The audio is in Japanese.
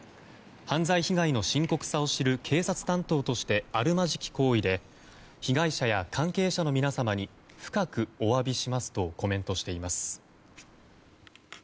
犯罪被害の深刻さを知る警察担当としてあるまじき行為で被害者や関係者の皆様に深くお詫びしますとコメントしています。